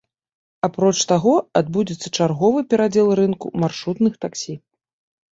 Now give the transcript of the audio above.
Апроч таго, адбудзецца чарговы перадзел рынку маршрутных таксі.